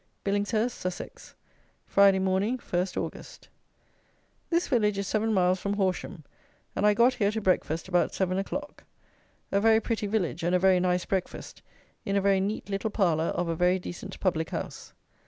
Billingshurst (Sussex), Friday Morning, 1 Aug. This village is 7 miles from Horsham, and I got here to breakfast about seven o'clock. A very pretty village, and a very nice breakfast in a very neat little parlour of a very decent public house.